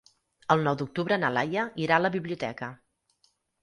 El nou d'octubre na Laia irà a la biblioteca.